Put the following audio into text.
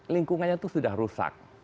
lingkungannya itu sudah rusak